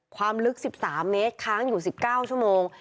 ความลึก๑๓เมตรค้างอยู่๑๙ชั่วโมง